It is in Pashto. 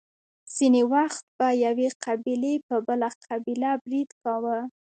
ځینې وخت به یوې قبیلې په بله قبیله برید کاوه.